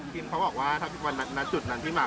กินเขาบอกว่าถ้าพี่บรรดนัดจุดนั้นที่มา